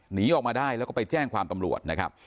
หนีออกมาได้แล้วก็ไปแจ้งความตำรวจนะครับ